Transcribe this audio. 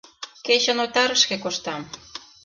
Кечын отарышке коштам.